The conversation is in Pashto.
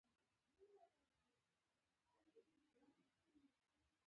ما اوریدلي چې په دې کمپیوټر کې ډیسک چټک دی